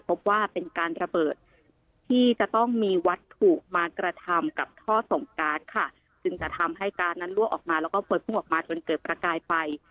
พบว่าเป็นการระเบิดที่จะต้องมีวัตถุมากระทำกับท่อส่งการ์ดค่ะจึงจะทำให้การ์ดนั้นรั่วออกมาแล้วก็พวยพุ่งออกมาจนเกิดประกายไฟ